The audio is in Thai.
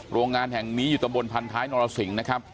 โรงงานแห่งนี้อยู่ตรงบนพันธุ์ท้ายนรสสิงนะครับ